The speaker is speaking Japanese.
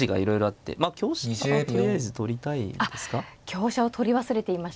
香車を取り忘れていました。